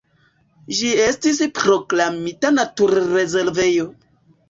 Ĝi estis proklamita naturrezervejo.